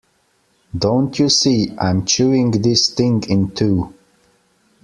Don't you see, I'm chewing this thing in two.